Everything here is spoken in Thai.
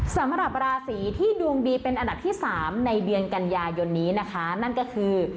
สำหรับราศีที่ดวงดีเป็นอันดับที่สามในเดือนกันยายนนี้นะคะนั่นก็คือ